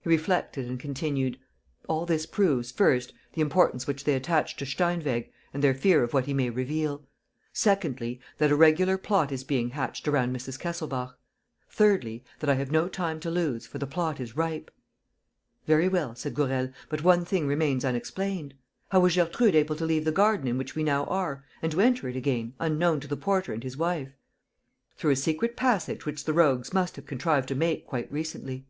He reflected and concluded: "All this proves, first, the importance which they attach to Steinweg and their fear of what he may reveal; secondly, that a regular plot is being hatched around Mrs. Kesselbach; thirdly, that I have no time to lose, for the plot is ripe." "Very well," said Gourel, "but one thing remains unexplained. How was Gertrude able to leave the garden in which we now are and to enter it again, unknown to the porter and his wife?" "Through a secret passage which the rogues must have contrived to make quite recently."